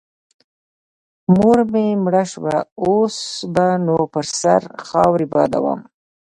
مور مې مړه سوه اوس به نو پر سر خاورې بادوم.